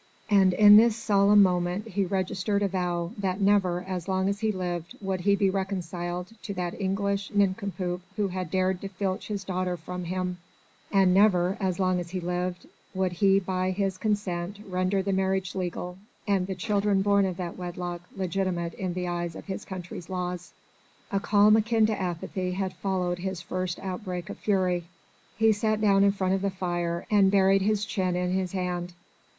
And in this solemn moment he registered a vow that never as long as he lived would he be reconciled to that English nincompoop who had dared to filch his daughter from him, and never as long as he lived would he by his consent render the marriage legal, and the children born of that wedlock legitimate in the eyes of his country's laws. A calm akin to apathy had followed his first outbreak of fury. He sat down in front of the fire, and buried his chin in his hand.